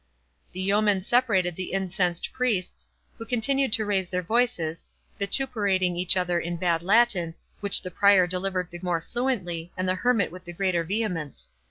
The yeomen separated the incensed priests, who continued to raise their voices, vituperating each other in bad Latin, which the Prior delivered the more fluently, and the Hermit with the greater vehemence.